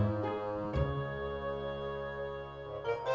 gak ada apa apa